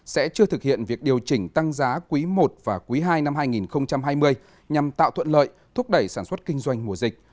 sẽ chưa thực hiện việc điều chỉnh tăng giá quý i và quý ii năm hai nghìn hai mươi nhằm tạo thuận lợi thúc đẩy sản xuất kinh doanh mùa dịch